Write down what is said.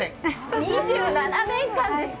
２７年間ですか？